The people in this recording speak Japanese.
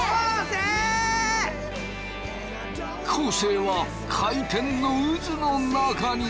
昴生は回転の渦の中に。